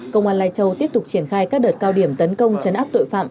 công an lai châu tiếp tục triển khai các đợt cao điểm tấn công chấn áp tội phạm